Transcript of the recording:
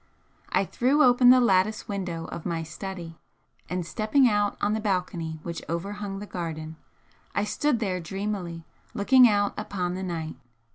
I threw open the lattice window of my study and stepping out on the balcony which overhung the garden, I stood there dreamily looking out upon the night.